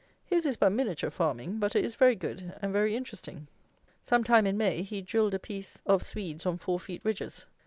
His is but miniature farming; but it is very good, and very interesting. Some time in May, he drilled a piece of Swedes on four feet ridges.